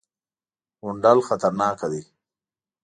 _غونډل خطرناکه دی.